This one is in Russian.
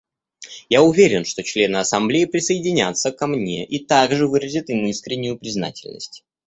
Я уверен, что члены Ассамблеи присоединятся ко мне и также выразят им искреннюю признательность.